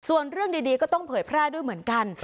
ส่วนเรื่องดีก็ต้องเผยแพร่ด้วยเหมือนกัน